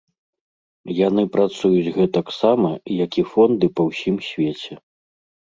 Яны працуюць гэтаксама, як і фонды па ўсім свеце.